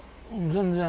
全然。